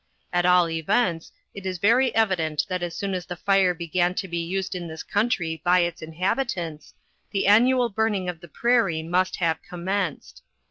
At all events, it is very evident that as soon as the fire be gan to be used in this country by its inhabitants, the annual burning of the prairie must have commenced.